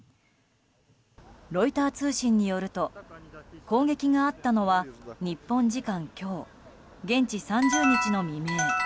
ロイター通信によると攻撃があったのは日本時間今日現地３０日の未明。